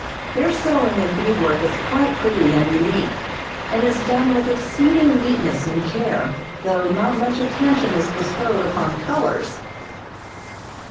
Their sewing and bead work is quite pretty and unique, and is done with exceeding neatness and care, though not much attention is bestowed upon colors.